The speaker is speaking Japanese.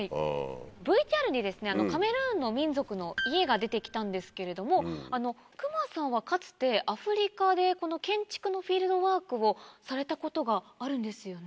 ＶＴＲにカメルーンの民族の家が出てきたんですけれども隈さんはかつてアフリカで建築のフィールドワークをされたことがあるんですよね？